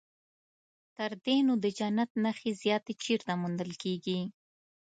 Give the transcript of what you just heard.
تر دې نو د جنت نښې زیاتې چیرته موندل کېږي.